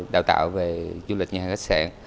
đào tạo về du lịch nhà hàng khách sạn